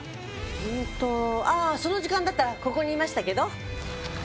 うんとああその時間だったらここにいましたけど。